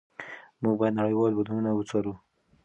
موږ باید نړیوال بدلونونه وڅارو.